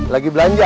lagi belanja ya